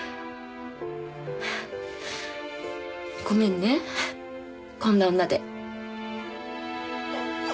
ごめんねこんな女で。